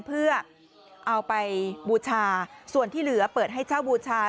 เพื่อเอาไปบูชาส่วนที่เหลือเปิดให้เช่าบูชา